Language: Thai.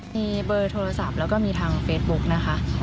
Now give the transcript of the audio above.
มีเบอร์โทรศัพท์แล้วก็มีทางเฟซบุ๊กนะคะ